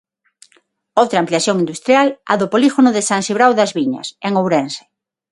Outra ampliación industrial, a do polígono de San Cibrao das Viñas, en Ourense.